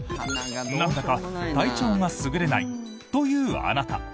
なんだか体調がすぐれないというあなた。